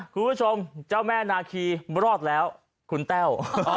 คุณผู้ชมเจ้าแม่นาคีรอดแล้วคุณแต้ว